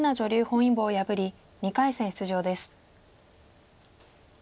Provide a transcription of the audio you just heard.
本因坊を破り２回戦出場です。